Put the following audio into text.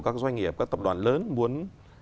các doanh nghiệp các tập đoàn lớn muốn